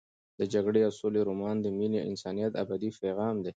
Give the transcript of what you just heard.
د جګړې او سولې رومان د مینې او انسانیت ابدي پیغام دی.